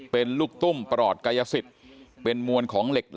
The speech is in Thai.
เป็นลูกตุ้มปรอดกายสิทธิ์เป็นมวลของน้องชมพู่ด้วยนะครับ